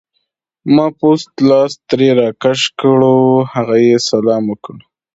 ما پوست لاس ترې راکش کړو، هغه یې سلام وکړ.